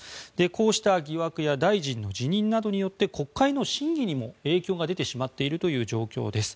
こうした疑惑や大臣の辞任などによって国会の審議にも影響が出てしまっているという状況です。